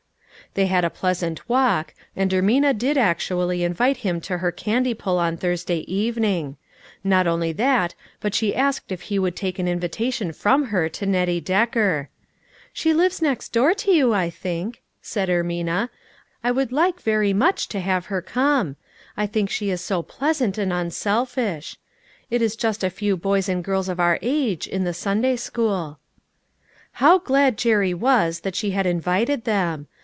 They had a pleasant walk, and Ermina did actually invite him to her candy pull on Thurs day evening ; not only that, but she asked if he would take an invitation from her to Nettie Decker. " She lives next door to you, I think," said Ermina, " I would like very much to have her come ; I think she is so pleasant and unself 372" LITTLE FISHERS .* AND THEIE NETS. ish. It is just a few boys and girls of our age, in the Sunday school." How glad Jerry was that she had invited them!